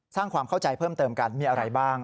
สร้างความเข้าใจเพิ่มเติมกันมีอะไรบ้าง